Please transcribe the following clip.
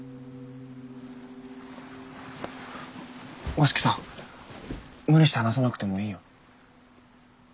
五色さん無理して話さなくてもいいよ。